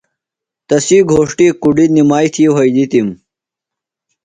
تسی گھوݜٹی کُڈیۡ نِمائی تھی وھئیدِتِم۔